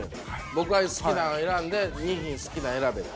僕が好きなん選んで２品好きなん選べって。